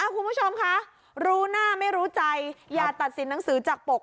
คุณผู้ชมคะรู้หน้าไม่รู้ใจอย่าตัดสินหนังสือจากปก